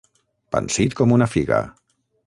Pansit com una figa.